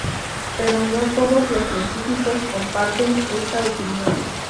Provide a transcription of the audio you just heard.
Pero no todos los científicos comparten esta opinión.